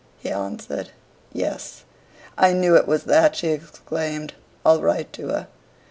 He answered, "Yes." "I knew it was that!" she exclaimed. "I'll write to her."